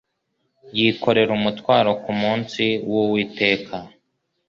yikorera umutwaro ku munsi w’Uwiteka